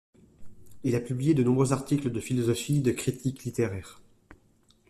Il a publié de nombreux articles de philosophie et de critique littéraire.